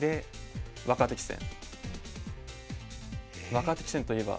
若手棋戦といえば。